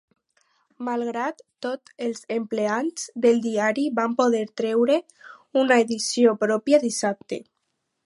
Malgrat tot els empleats del diari van poder treure una edició pròpia dissabte.